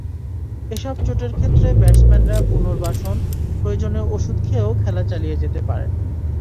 এসব চোটের ক্ষেত্রে ব্যাটসম্যানরা পুনর্বাসন, প্রয়োজনে ওষুধ খেয়েও খেলা চালিয়ে যেতে পারেন।